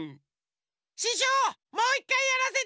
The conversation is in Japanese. ししょうもういっかいやらせて！